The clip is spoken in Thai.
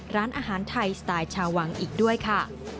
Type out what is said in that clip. ร้านอาหารไทยสไตล์ชาววังอีกด้วยค่ะ